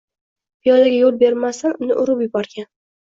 Piyodaga yoʻl bermasdan, uni urib yuborgan.